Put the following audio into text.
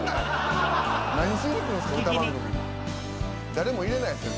誰も入れないですよ